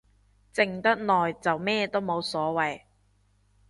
靜得耐就咩都冇所謂